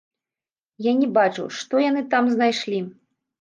Я не бачыў, што яны там знайшлі.